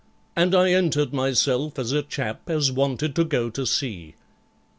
And I entered myself as a chap as wanted to go to sea.